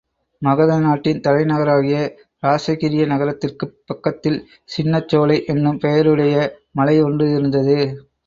மகத நாட்டின் தலைநகராகிய இராசகிரிய நகரத்திற்குப் பக்கத்தில் சின்னச்சோலை என்னும் பெயரையுடைய மலை ஒன்று இருந்தது.